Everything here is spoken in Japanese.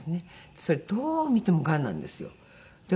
それどう見てもがんなんですよ。